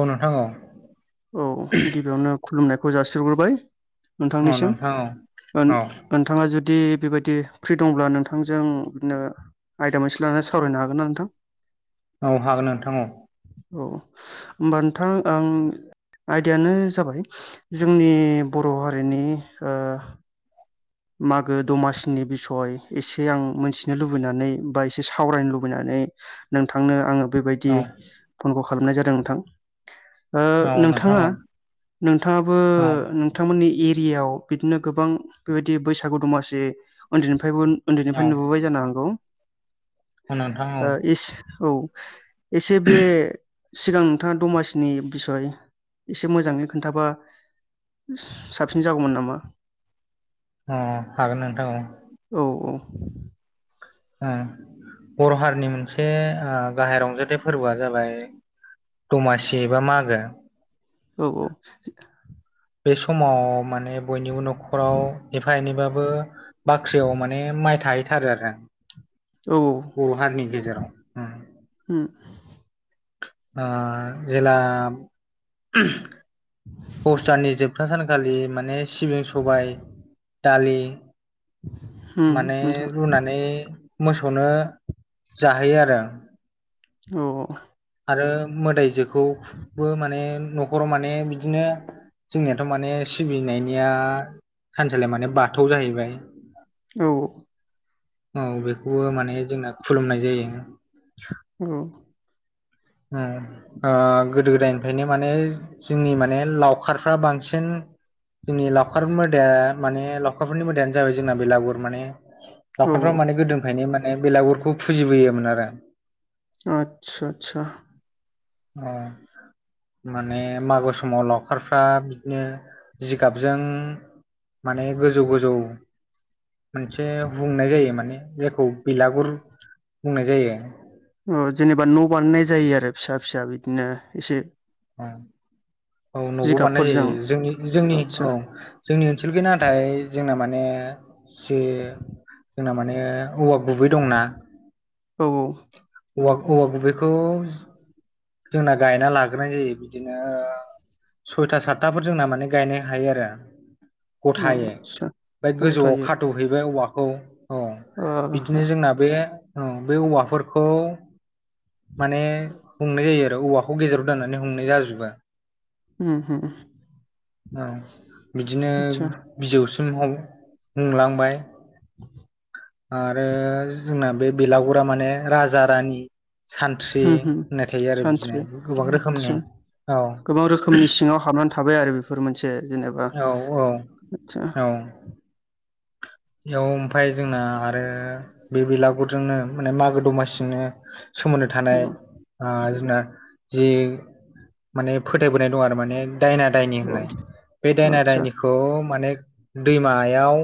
औ नोंथां औ। औ गिबियावनो खुलुमनायखौ जासिहरग्रोबाय। औ नोंथांनिसिम नोंथां औ ओ औ नोंथाङा जुदि दि बेदि बेबायदि फ्रि दंब्ला नोंथांजों बिदिनो आयदा मोनसे लानानै सावरायनो हागोन ना नोंथां? [inaudible] औ हागोन नोंथां औ। औ होमबा नोंथां आं आयदायानो जाबाय जोंनि बर' हारिनि ओ मागो दमासिनि बिसय एसे आं मोनथिनो लुबैनानै बा एसे सावरायनो लुबैनानै नानै नोंथांनो आङो बेबायदि औ फनखौ खालामनाय जादों नोंथां। ओ औ नोंथां नोंथाङा औ नोंथाङाबो औ नोंथांमोननि ए एरियायाव बिदिनो गोबां बेबायदि बैसागु दमासि उन्दैनिफ्राय फ्रायबो औ उन्दैनिफ्राय नुबोबाय जानो हागौ औ नोंथां औ ओ इस औ एसे बे सिगां नोंथाङा दमासिनि बिसय एसे मोजाङै खोन्थाबा साबसिन जागौमोन नामा अ हागोन नोंथां औ औ ओ बर' हारिनि मोनसे ओ गाहाय रंजाथाइ फोरबोआ जाबाय दमासिबा मागो औ औ बे समाव माने बयनिबो न'खराव एफा एनैबाबो बाख्रियाव माने माइ थाहैथारो आरो औ बर' हारिनि गेजेराव उम उम ओ जेला ओह दसदाननि जोबथा सानखालि माने सिबिं सबाय दालि उम माने नोंथां रुनानै मोसौनो जाहोयो आरो औ आरो मोदायजोखौबो माने न'खराव माने बिदिनो जोंनियाथ' माने सिबिनायनिया थानसालिया माने बाथौ जाहैबाय औ औ बेखौबो माने जोंना खुलुमनाय जायो औ ओ ओ गोदो गोदायनिफ्रायनो माने जोंनि माने लावखार फ्रा बांसिन जोंनि लावखार मोदाया माने लावखार फोरनि मोदायानो जाबाय जोंना बेलागुर माने औ लावखारफ्रा माने गोदोनिफ्रायनो माने बेलागुर बेखौ फुजिबोयोमोन आरो आतसा आतसा ओ माने मागो समाव लावखारफ्रा बिदिनो जिगाबजों माने गोजौ गोजौ मोनसे हुंनाय जायो माने जायखौ बिलागुर बुंनाय जायो औ जेनेबा न' बानायनाय जायो आरो फिसा फिसा बिदिनो एसे ओं औ न'बो बानायनाय जिगाबफोरजों जायो जोंनि-जोंनि आदसा औ जोंनि ओनसोलखै नाथाय जोंना माने ओ जे जोंना माने औवा गुबै दंना औ औ औवा औवा गुबैखौ जोंना गायना लाग्रोनाय जायो बिदिनो ओ सयथा सातथाफोर जोंना माने गायनो हायो आरो अ गथायै आदसा बा गोजौआव गथायै खाथ'हैबाय औवाखौ ओ बिदिनो जोंना बे औ बे औवाफोरखौ माने हुंनाय जायो आरो औवाखौ गेजेराव दोननानै हुंनाय जाजोबो हम हम ओ बिदिनो बिजौसिम हायो बुंलांबाय आरो जोंना बे बेलागुरा माने राजा-रानि सान्थ्रि उम उम होननाय थायो आरो बिदिनो सानथ्रि गोबां रोखोमनि आदसा औ गोबां रोखोमनि सिङाव हामबनानै थाबाय आरो बेफोर मोनसे जेनेबा औ औ आतसा औ बेयाव ओमफाय जोंना आरो बे बिलागुरजोंनो माने मागो दमासिजोंनो सोमोन्दो औ थानाय ओ ना जि माने फोथायबोनाय दं आरो माने दायना-दायनि औ होननाय बे आदसा दायना-दायनिखौ माने दैमायाव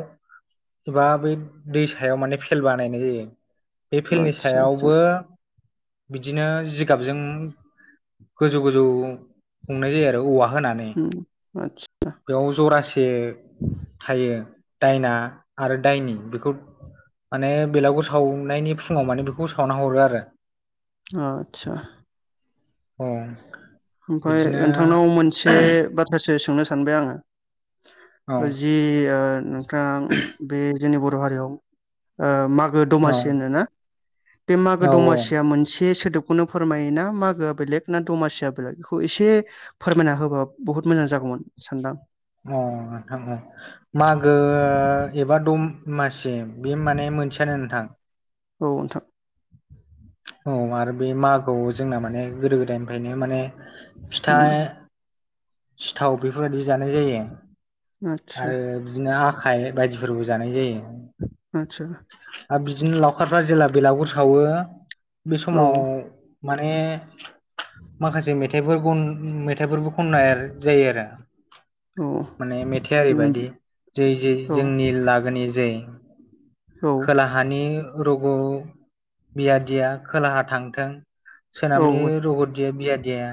एबा बै दै सायाव माने भेल बानायनाय जायो। बे भेलनि आदसा आदसा सायावबो बिदिनो जिगाबजों गोजौ गोजौ संनाय जायो आरो औवा होनानै आतस बेयाव जरासे थायो दायना आरो दायनि बेखौ माने बेलागुर सावनायनि फुङाव माने बेखौ सावना हरो आरो आतसा औ ओमफाय बिदिनो नोंथांनाव मोनसे बाथ्रासो सोंनो सान बे औ आङो जि ओ नोंथां बे जोंनि बर' हारियाव ओ माग औ मागो-दमासि होनोना? बे औ मागो-दमासिया मोनसे सोदोब बेखौनो फोरमायो ना? मागोआ बेलेग ना दमासिया बेलेग बेखौ एसे फोरमायना होबा बहुत मोजां जागौमोन सानदां नोंथां औ मासे बे माने मोनसेयानो नोंथां। औ नोंथां। औ आरो बे मागोआव जोंना माने गोदो-गोदायनिफ्रायनो माने फिथा उम सिथाव बेफोरबायदि जानाय जायो आदसा आरो बिदिनो आखाइ बायदिफोरबो जानाय जायो। आदसा आरो बिदिनो लावखारफ्रा जेब्ला बेलागुर सावो बे औ समाव माने माखासे मेथाइफोरखोन मेथाइफोरबो खननाय जायो आरो औ माने मेथाइया ओरै बिदिनो बायदि जै जै औ जोंनि लागोनि जै औ खोलाहानि रुगु बियादिया खोलाहा थांथों औ सोनाबनि रगतदिया-बियादिया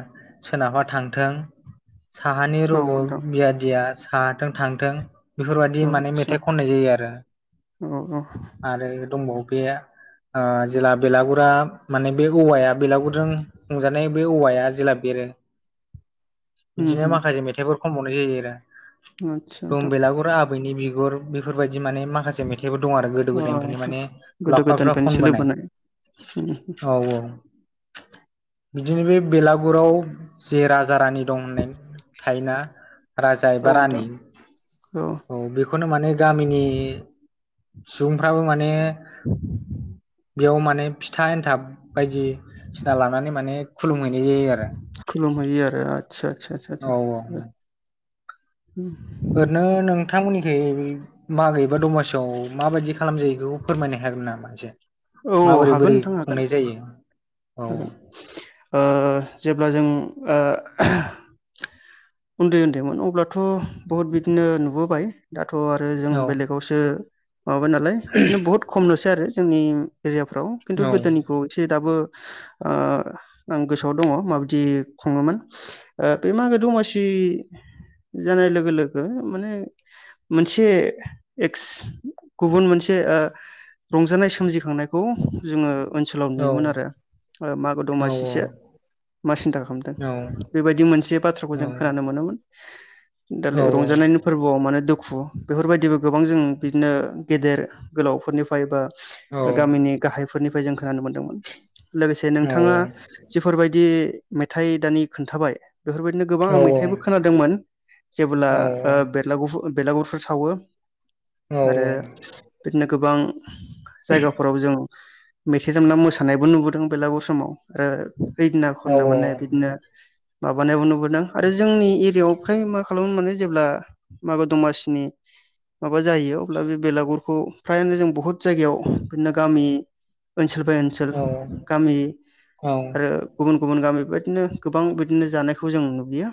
सोनाबा थां थों साहानि औ रगु नोंथां बियादिया साहाथों थांथों। बेफोरबायदि औ माने आदसा मेथाइ खननाय जायो आरो औ औ आरो दंबावो बे ओ जेला बेलागुरा माने बे औवाया बेलागुरजों खुंजानाय बे औवाया जेला बेरो उम बिदिनो माखासे मेथाइफोर खनबावनाय जायो आरो उम आदसा धुम नोंथां बेलागुर आबैनि बिगुर बेफोरबायदि बिदि माने माखासे मेथाइबो दं आरो गोदो अ गोदायनिफ्रायनो माने लावखारफ्रा खनबोनाय ओम हो औ औ बिदिनो बे बेलागुराव जे राजा रानि दं होननाय थायोना? राजा औ एबा नोंथां रानि औ बेखौनो माने गामिनि सुबुंफ्राबो माने बेयाव माने फिथा एन्थाब बायदि सिना लानानै माने खुलुमहैनाय जायो आरो । आतसा आसा आसा आसा। ओरैनो नों नोंथांमोननिखै मागो एबा दमासियाव माबायदि खालामजायो बेखौ फोरमायनो हागोन नामा एसे औ माबोरै हागोन बोरै नोंथां हागोन खुंनाय जायो? औ हागोन। ओ जेब्ला जों ओ हो उन्दै उन्दैमोन अब्लाथ' बहुद बिदिनो नुबोबाय दा थ आरो जों औ बेलेगावसो माबाबाय नालाय बिदिनो बुहुत खमलसै आरो जोंनि। एरियाफ्राव खिन्थु औ गोदोनिखौ एसे दाबो। आं गोसोआव दङ माबायदि खुङोमोन बे मागो दमासि। दमासि। जानाय लोगो लोगो माने मोनसे गुबुन मोनसे। ओ रंजानाय सोमजिखांनायखौ जोंङो ओनसोलाव औ नुयोमोन आरो ओ मागो दमासि सो औ मा सिन्था खालामदों औ बेबायदि मोनसे बाथ्राखौ औ जों खोनानो मोनोमोन औ दालाय रंजानायनि फोरबोआव मा दुखु दुखु बेफोरबायदिबो गोबां जों बिदिनो गेदेर गोलावफोरनिफ्राय बा गामिनि गाहायफोरनिफ्राय जों खोनानो मोनदोंमोन लोगोसे औ नोंथांङा जिफोरबायदि मेथाइ दानि खोन्थाबाय बेफोरबायदिनो गोबां आं मे मेथायबो खोनादोंमोन जेब्ला बेलागुर बेलागुरफोर सावो औ आरो बिदिनो गोबां जायगाफोराव जों मेथाइ दामना मोसानायबो नुबोदों बेलागुर समाव ओ ओइदिनाखान नो माने बिदिनो माबानायबो नुबोदों। आरो जोंनि एरियायाव फ्राय मा खालामो माने जेब्ला मागो दमासिनि माबा जायो अब्ला बे बेलागुरखौ फ्रायानो जों बहुत जायगायाव बिदिनो गामि ओनसोल बाय ओनसोल गामि आरो गुबुन गुबुन गामि बायदि बिदिनो गोबां बिदिनो जानायखौ जों नुुबोयो ।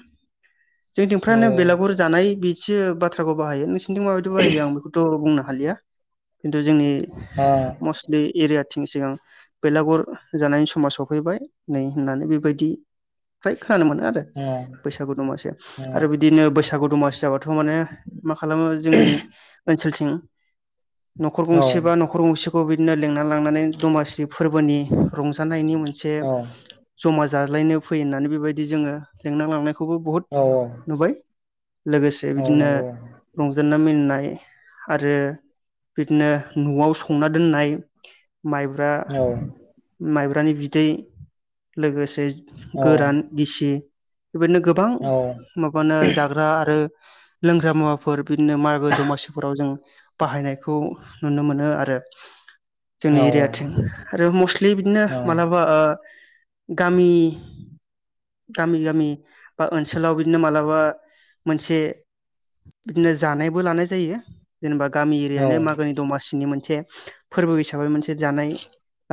जोंनिथिंफ्रायानो बेलागुर जानाय बिदि बाथ्राखौ बाहायो नोंसोरनिथिं माबायदि बाहायो आं बेखौथ बुंनो हालिया खिन्थु जोंनि मस्टलि एरिया थिं सिगां बेलागुर जानायनि समा सफैबाय नै होननानै बेबायदि फ्राय खोनानो मोनो आरो बैसागु दमासि आरो बिदिनो बैसागु दमासि जाबाथ माने मा खालामो जोंनि ओनसोलथिं नखर गंसे बा नखर गंसेखौ बि बिदिनो लेंना लांनानै दमासि फोरबोनि रंजानायनि मोनसे ज'मा जाज्लायनो फैयो होननानै बेबायदि जोंङो लेंना लांनाय बे खौबो बुहुत औ नुबाय लोगोसे औ बिदिनो नंगौ रंजानाय मिनाय आरो बिदिनो नआव संना दोननाय माइब्रा औ माइब्रानि बिदै लोगोसे गोरान गिसि बेबायदिनो गोबां औ माबानो जाग्रा आरो लोंग्रा मुवाफोर बिदिनो मागो दमासिफोराव जों बाहायनायखौ नुनो मोनो आरो। औ जोंनि एरियाथिं आरो मस्टलि बिदिनो औ मालाबा ओ गामि गामि-गामि बा ओनसोलाव बिदिनो मालाबा मोनसे बिदिनो जानायबो लानाय जायो। जेनेबा गामि एरियानो मागोनि दमासिनि मोनसे फोरबो हिसाबै मोनसे। एसे जानाय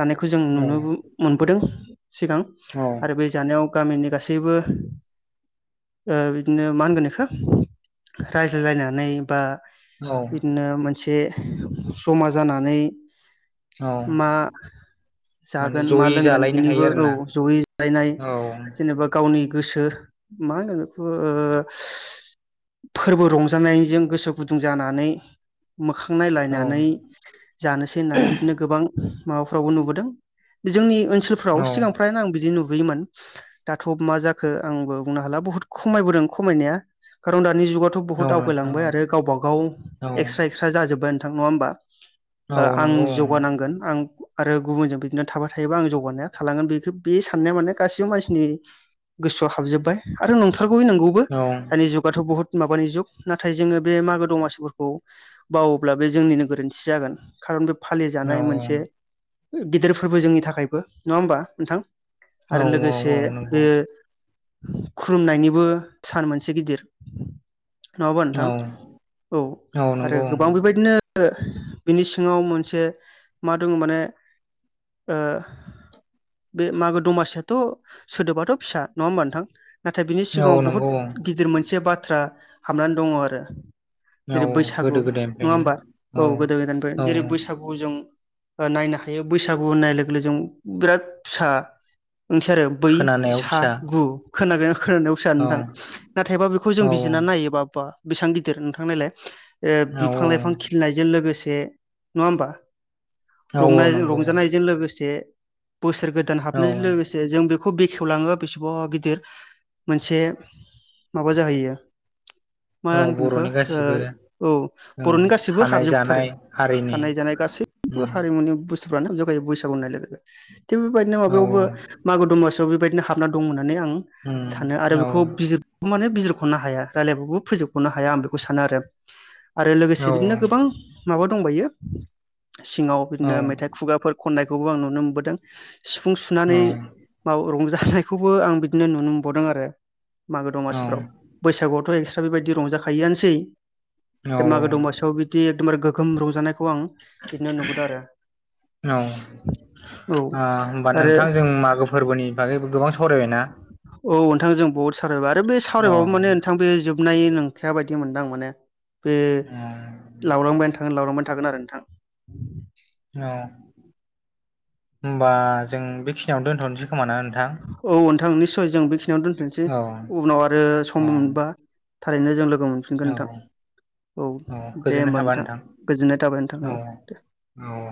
जानायखौ जों औ नुनोबो मोनबोदों सिगां औ आरो बे जानायाव गामिनि गासैबो ओ बिदिनो मा होनगोन बेखौ रायज्लायनानै बा औ बिदिनो मोनसे जमा जानानै औ मा माने जागोन मा जयै लोंगोन जालायनो हायो बिनिबो औ आरोना जयै रायज्लायनाय औ जेनेबा गावनि गोसो मा होनो बेखौ ओ फोरबो रंजानायजों गोसो गुदुं जानानै मोखां नायलायनानै औ जानोसै होननानै बिदिनो गोबां माबाफ्रावबो नुबोदों जोंनि ओनसोलफ्राव औ सिगांनिफ्रायनो आं बिदि नुबो योमोन दाथ' मा जाखो आंबो बुंनो हाला बुहुत खमायबोदों खमायनाया खारन दा नि जुगावथ' औ बहुद नोंथां आवगायलांबाय आरो गावब गाव औ एक्सट्रा एक्स्रा जाजोबबाय नोंथां नङा होमबा? औ ओ आं नंगौ औ जौगानांगोन आं आरो गुबुनजों बिदिनो थाबाय थायोबा आं जौगानाया थालांगोन बेखो बे साननाया माने गासिबो मानसिनि गोसोआव हाबजोबबाय आरो नंथारगौयै नोंगौबो औ दानि जुगाथ' बहुत माबानि जुग नाथाय जोङो बे मागो दमासिफोरखौ बावोब्ला बे जोंनिनो गोरोन्थि जागोन। खारन बे फालिजानाय मोनसे औ गिदिर फोरबो जोंनि थाखायबो नङा होमबा नोंथां? औ आरो लोगोसे औ नंगौ बेयो खुलुमनायनिबो सान मोनसे गिदिर नङाबा औ नोंथां? औ औ आरो नंगौ गोबां बेबायदिनो बिनि सिङाव मोनसे मा दङ' माने ओ बे मागो दमासियाथ' सोदोबाथ' फिसा नङा होमबा नोंथां? नाथाय बिनि औ सिगाङाव नंगौ बहुत गिदिर मोनसे बाथ्रा हाबनानै दङ' आरो। औ जेरै बैसागु गोदो नङा गोदायनिफ्रायनो होमबा? औ गोदो गोदायनिफ्राय औ जेरै बैसागु जों ओ नायनो हायो बैसागु होननाय लोगो लोगो जों बिराद फिसा ओंथिया आरो बै खोनानायाव सा फिसा गु खोनागोना खोनानायाव सो आरो औ नोंथां नाथायबा बेखौ जों औ बिजिरनानै नायोबा बा बेसेबां गिदिर नोंथां नायलाय ओ औ बिफां लाइफां खिलिनायजों लोगोसे नङा होमबा? औ रंनाय नंगौ रंजानायजों लोगोसे बोसोर गोदान औ हाबनायजों लोगोसे जों बेखौ बेखेवलाङो बेसेबा गिदिर मोनसे माबा जाहैयो मा औ होनगोन इखो बर'नि गासिबो ओ औ औ बर'नि गासैबो थानाय हाबजोबथारो जानाय हारिनि थानाय जानाय गासैबो उम हारिमुनि बुस फ्रानो हाबजोब खायो बैसागु होननाय लोगो लोगो थिग बेबायदिनो औ माबायावबो मागो दमासिआव बेबायदि नो हाबना दं होननानै आं सानो। आरो उम औ बेखौ बिजिर गौ माने बिजिर खनो हाया रायलायबाबो फोजोबख'नो हाया आं बेखौ सानो आरो। आरो लोगोसे औ बिदिनो गोबां माबा दंबायो सिङाव औ बिदिनो मेथाइ खुगाफोर खननायखौबो आं नुनो मोनबोदों। सिफुं सुनानै मा रंजानायखौबो आं बिदिनो नुनो मोनबावदों आरो। मागो औ दमासिफ्राव। बैसागुआवथ' एक्सट्रा बेबायदि रंजाखायोआनोसै औ दा मागो दमासियाव बिदि एकदमबारे गोगोम रंजानायखौ आं बिदिनो नुबोदों आरो। औ। औ ओ होमबा आरो नोंथां जों मागो फोरबोनि बागै गोबां सावरायबायना? औ नोंथांजों जों बहुत सावरायबाय आरो बे अ सावरायबाबो माने नोंथां बे जोबनाय नं खाया बादि मोनदां‌ माने बे अ लावलांबायानो थागोन लावलांबायानो था थागोन आरो नोंथां। औ होमबा जों बेखिनियावनो दोनथ'नोसै खोमा ना नोंथां औ नोंथां निस्सय जों बेखिनियावनो दोनथ'नोसै औ उनाव आरो औ सम मोनबा थारैनो जों लोगो मोनफिनगोन औ नोंथां। औ दे होमबा नोंथां गोजोननाय थाबाय नोंथां औ दे। औ।